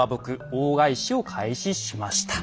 大返しを開始しました。